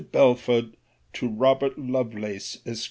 BELFORD, TO ROBERT LOVELACE, ESQ.